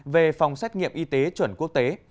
về phòng xét nghiệm y tế chuẩn quốc tế